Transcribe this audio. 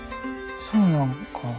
そうなんか。